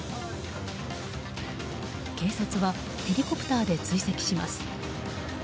警察はヘリコプターで追跡します。